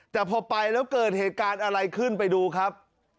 แต่พอไปแล้วเกิดเหตุการณ์อะไรขึ้นไปดูครับ